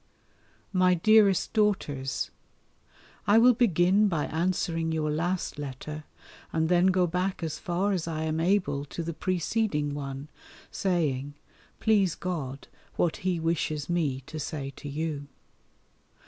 MY DEAREST DAUGHTERS, I will begin by answering your last letter, and then go back as far as I am able to the preceding one, saying, please God, what He wishes me to say to you.